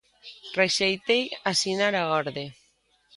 Rexeitei asinar a orde.